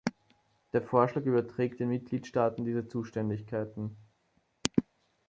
Der Vorschlag überträgt den Mitgliedstaaten diese Zuständigkeiten.